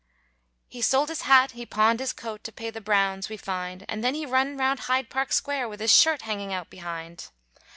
He sold his hat, he pawned his coat, To pay the browns, we find, And then he run round Hyde Park sqre, With his shirt hanging out behind.